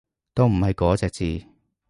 都唔係嗰隻字